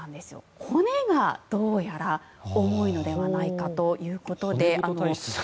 骨がどうやら重いのではないかということで。